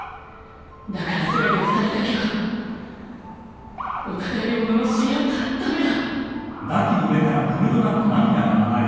だからせめて２人だけはお互いをののしりあったら駄目だ。